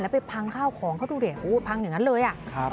แล้วไปพังข้าวของเขาดูเดี๋ยวโอ้โหพังอย่างงั้นเลยอ่ะครับ